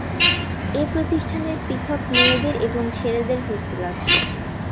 এই প্রতিষ্ঠানের পৃথক মেয়েদের এবং ছেলেদের হোস্টেল আছে।